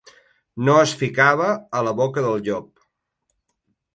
No es ficava a la boca del llop.